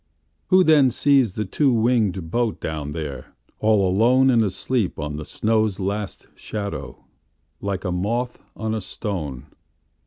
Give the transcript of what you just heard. Who then sees the two wingedBoat down there, all aloneAnd asleep on the snow's last shadow, Like a moth on a stone?